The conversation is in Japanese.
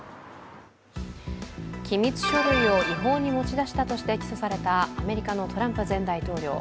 機密書類を違法に持ち出したとして起訴されたアメリカのトランプ前大統領。